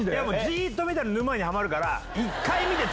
じっと見たら沼にはまるから。